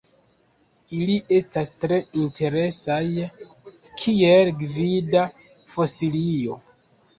Ili estas tre interesaj kiel gvida fosilio.